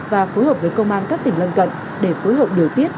và phối hợp với công an các tỉnh lân cận để phối hợp điều tiết